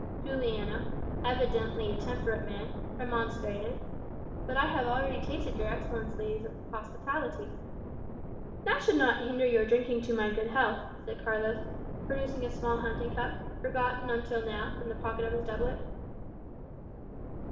Juliano, evidently a temperate man, remonstrated: "But I have already tasted your Excellency's hospitality." "That should not hinder your drinking to my good health," said Carlos, producing a small hunting cup, forgotten until now, from the pocket of his doublet.